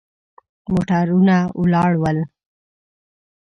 موټرونه ولاړ ول.